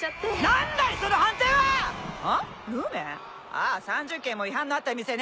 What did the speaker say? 「ああ３０件も違反のあった店ね」